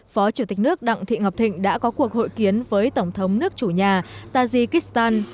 phó chủ tịch nước đặng thị ngọc thịnh đã có cuộc hội kiến với tổng thống nước chủ nhà tajikistan